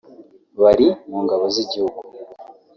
bari mu ngabo z'igihugu